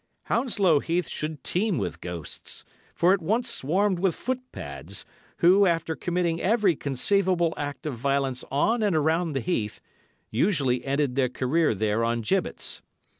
Hounslow Heath should teem with ghosts, for it once swarmed with foot pads, who, after committing every conceivable act of violence on and around the heath, usually ended their career there on gibbets.